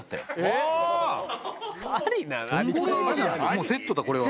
もうセットだこれは。